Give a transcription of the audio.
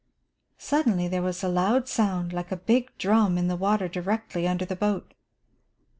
Suddenly there was a loud sound, like a big drum, in the water directly under the boat.